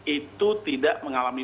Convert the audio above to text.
itu tidak mengalami